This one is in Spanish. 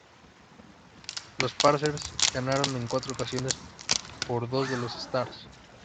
Los Pacers ganaron en cuatro ocasiones, por dos de los Stars.